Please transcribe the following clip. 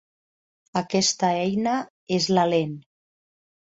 Aquesta eina és la "Lent".